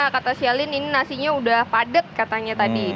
kata celine ini nasinya udah padet katanya tadi